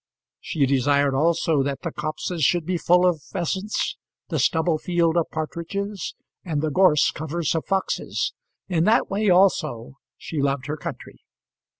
She desired also that the copses should be full of pheasants, the stubble field of partridges, and the gorse covers of foxes; in that way, also, she loved her country.